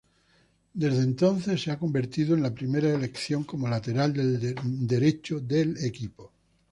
Desde entonces, se ha convertido en la primera elección como lateral derecho del equipo.